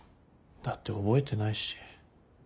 だって覚えてないし。